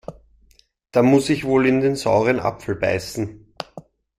Da muss ich wohl in den sauren Apfel beißen.